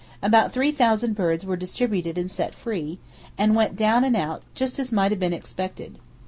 About three thousand birds were distributed and set free,—and went down and out, just as might have been expected.